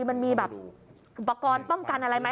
มันมีประกอบป้องกันอะไรไหม